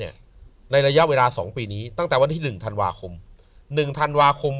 ในระยะเวลา๒ปีนี้ตั้งแต่วันที่๑ธันวาคม๑ธันวาคม